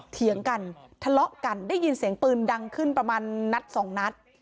เถียงกันทะเลาะกันได้ยินเสียงปืนดังขึ้นประมาณนัดสองนัด